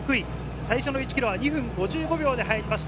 最初の１ｋｍは２分５５秒で入りました。